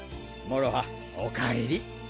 もろはおかえり！